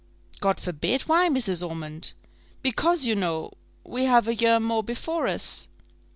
"God forbid! Why, Mrs. Ormond?" "Because, you know, we have a year more before us."